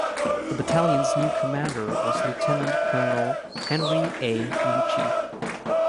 The battalion's new commander was Lieutenant Colonel Henry A. Mucci.